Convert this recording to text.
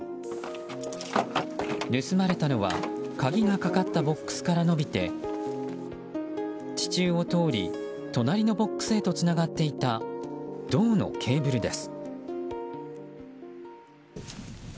盗まれたのは鍵がかかったボックスから伸びて地中を通り隣のボックスへとつながっていた銅のケーブルです。